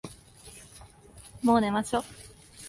もう寝ましょ。